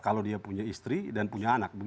kalau dia punya istri dan punya anak